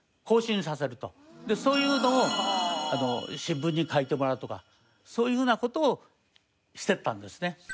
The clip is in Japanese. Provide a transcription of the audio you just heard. そういうのを新聞に書いてもらうとかそういうふうな事をしていったんですね。